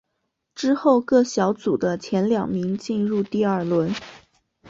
之后各小组的前两名进入第二轮。